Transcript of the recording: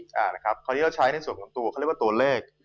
คราวนี้เราใช้ในส่วนของตัวเขาเรียกว่าตัวเลข